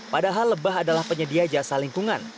padahal lebah adalah penyedia jasa lingkungan